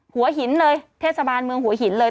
หัวหินเลยเทศบาลเมืองหัวหินเลย